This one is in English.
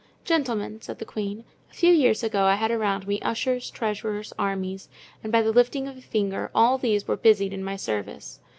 "Gentlemen," said the queen, "a few years ago I had around me ushers, treasures, armies; and by the lifting of a finger all these were busied in my service.